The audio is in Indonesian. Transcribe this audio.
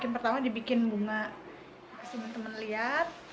pertama dibikin bunga kasih teman teman lihat